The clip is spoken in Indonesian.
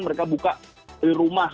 mereka buka dari rumah